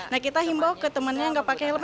nah kita himbau ke temannya yang gak pakai helm